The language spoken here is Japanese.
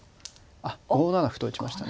あっ５七歩と打ちましたね。